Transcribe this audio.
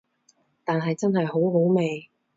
但係真係好好味